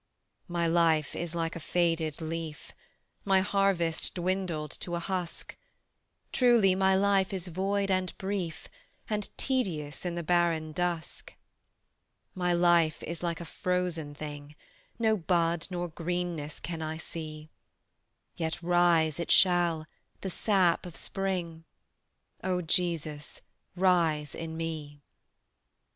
My life is like a faded leaf, My harvest dwindled to a husk; Truly my life is void and brief And tedious in the barren dusk; My life is like a frozen thing, No bud nor greenness can I see: Yet rise it shall, the sap of Spring; O Jesus, rise in me!